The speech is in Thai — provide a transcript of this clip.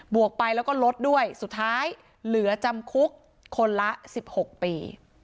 วกไปแล้วก็ลดด้วยสุดท้ายเหลือจำคุกคนละ๑๖ปี